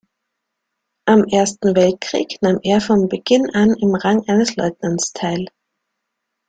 Am Ersten Weltkrieg nahm er von Beginn an im Rang eines Leutnants teil.